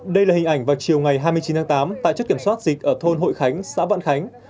đây là hình ảnh vào chiều ngày hai mươi chín tháng tám tại chất kiểm soát dịch ở thôn hội khánh xã vạn khánh